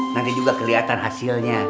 nanti juga keliatan hasilnya